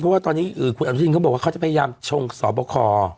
เพราะว่าตอนนี้คุณอนุทินเขาบอกว่าเขาจะพยายามชงสอบคอ